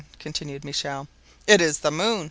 continued Michel. "It is the moon!"